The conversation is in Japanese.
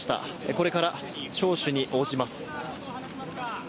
これから聴取に応じます。